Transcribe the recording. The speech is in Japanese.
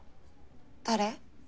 誰？